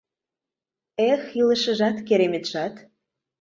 Эх, илышыжат-кереметшат!..